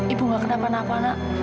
ibu gak kenapa napa nak